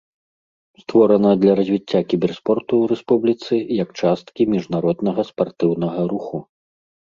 Створана для развіцця кіберспорту ў рэспубліцы як часткі міжнароднага спартыўнага руху.